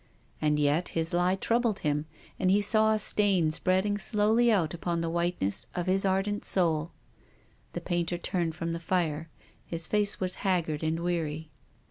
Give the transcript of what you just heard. And yet his lie troubled him, and he saw a stain spreading slowly out upon the whiteness of his ardent soul. The painter turned from the fire. His face was haggard and weary.